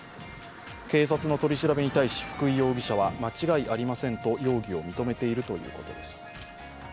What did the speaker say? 警察の取り調べに対し福井容疑者は、間違いありませんと容疑を認めているということです。